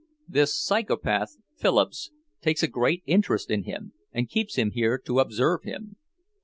This psychopath, Phillips, takes a great interest in him and keeps him here to observe him.